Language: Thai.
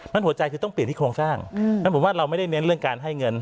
หัวใจคือต้องเปลี่ยนที่โครงสร้างฉะนั้นผมว่าเราไม่ได้เน้นเรื่องการให้เงิน